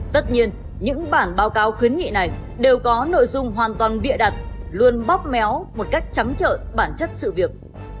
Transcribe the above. tất nhiên những bản báo cáo khuyến nghị này đều có nội dung hoàn toàn bịa đặt luôn bóp méo một cách trắng trợ bản chất sự việc